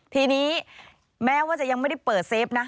ทีนี้แม้ว่าจะยังไม่ได้เปิดเซฟนะ